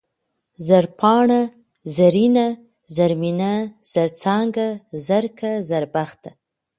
زرپاڼه ، زرينه ، زرمينه ، زرڅانگه ، زرکه ، زربخته